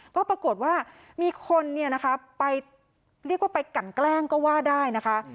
ก็ปรากฏว่ามีคนเรียกว่าไปกันแกล้งก็ว่าได้นะคะ